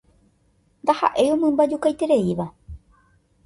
Ndahaʼéi omymbajukaitereíva.